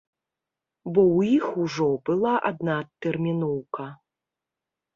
Бо ў іх ужо была адна адтэрміноўка.